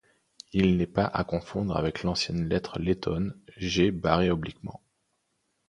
Il n’est pas à confondre avec l’ancienne lettre lettone, G barré obliquement, Ꞡ.